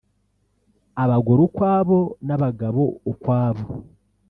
abagore ukwabo n’abagabo ukwabo